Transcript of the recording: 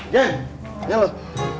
jangan jangan loh